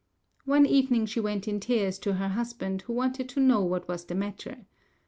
One evening she went in tears to her husband, who wanted to know what was the matter.